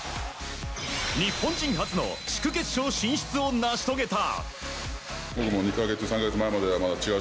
日本人初の地区決勝進出を成し遂げた。